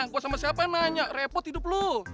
gue sama siapa yang nanya repot hidup lo